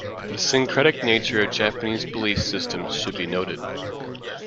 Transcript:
The syncretic nature of Japanese belief systems should be noted.